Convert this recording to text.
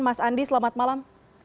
mas andi selamat malam